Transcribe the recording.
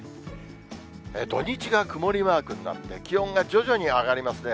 土日が曇りマークになって、気温が徐々に上がりますね。